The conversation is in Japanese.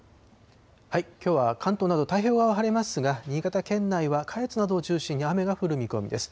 きょうは関東など太平洋側は晴れますが、新潟県内は下越などを中心に雨が降る見込みです。